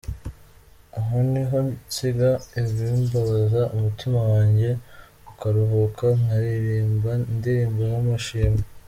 Aho niho nsiga ibimbabaza, umutima wanjye ukaruhuka, nkaririmba indirimbo z’amashimwe.